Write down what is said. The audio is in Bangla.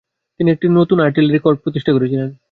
তিনি একটি নতুন আর্টিলারি কর্প প্রতিষ্ঠা করেছিলেন।